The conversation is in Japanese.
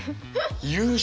優勝。